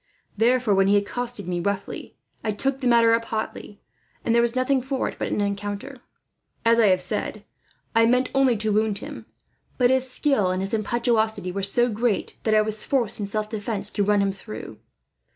Therefore when he accosted me roughly, I took the matter up hotly, and there was nothing for it but an encounter. As I have said, I meant only to wound him; but his skill and his impetuosity were so great that I was forced, in self defence, to run him through.